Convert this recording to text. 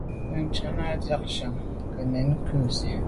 Bwɔ́ŋkə́h à’ghə̀ jʉ́ chàŋ ká nɛ́ɛ̀n nɔɔ́nsí.